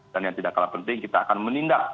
dan yang tidak kalah penting kita akan menindak